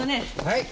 はい？